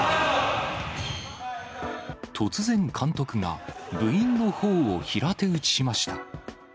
突然、監督が部員のほおを平手打ちしました。